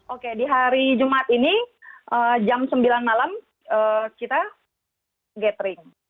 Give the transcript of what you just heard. oke di hari jumat ini jam sembilan malam kita gathering